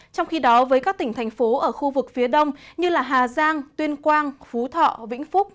trong khi đó với các tỉnh thành phố ở khu vực phía đông như hà giang tuyên quang phú thọ vĩnh phúc